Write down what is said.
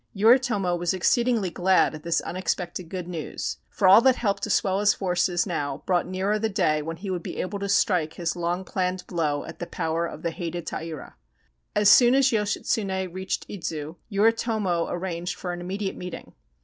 Yoritomo was exceedingly glad at this unexpected good news, for all that helped to swell his forces now brought nearer the day when he would be able to strike his long planned blow at the power of the hated Taira. As soon as Yoshitsune reached Idzu, Yoritomo arranged for an immediate meeting.